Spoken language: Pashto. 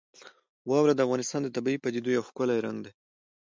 واوره د افغانستان د طبیعي پدیدو یو ښکلی رنګ دی.